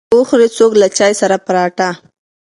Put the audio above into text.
لکه وخوري څوک له چاى سره پراټه.